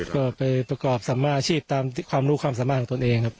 ก็ไปประกอบสำมารถอาชีพตามจุดความสบายตามตอนของคุณเองครับ